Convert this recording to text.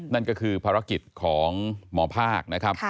นั่นก็คือภารกิจของหมอภาคนะครับ